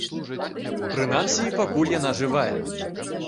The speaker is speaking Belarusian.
Прынамсі, пакуль яна жывая.